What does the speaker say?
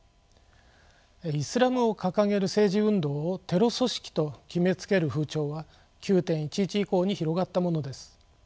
イスラムを掲げる政治運動をテロ組織と決めつける風潮は９．１１以降に広がったものです。